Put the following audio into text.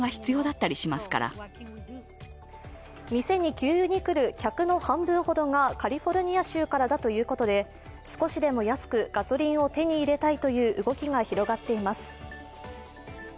店に給油に来る客の半分ほどがカリフォルニア州からだということで、少しでも安くガソリンを手に入れたいという動きが広がっています。